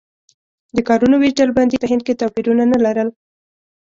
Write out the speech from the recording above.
د کارونو وېش ډلبندي په هند کې توپیرونه نه لرل.